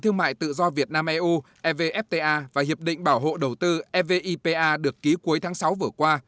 thương mại tự do việt nam eu evfta và hiệp định bảo hộ đầu tư evipa được ký cuối tháng sáu vừa qua